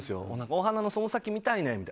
お花のその先見たいねんって。